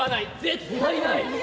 絶対ない！